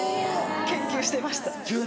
研究してました。